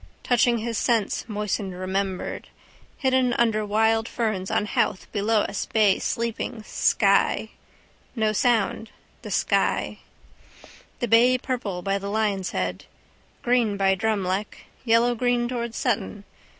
Touched his sense moistened remembered. Hidden under wild ferns on Howth below us bay sleeping: sky. No sound. The sky. The bay purple by the Lion's head. Green by Drumleck. Yellowgreen towards Sutton.